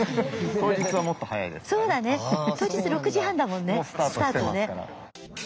当日６時半だもんねスタートね。